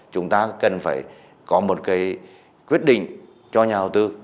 chúng ta cần phải có một cái quyết định cho nhà đầu tư